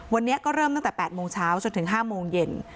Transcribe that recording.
วันนี้ก็เริ่มตั้งแต่๘โมงเช้าจนถึง๕โมงเย็น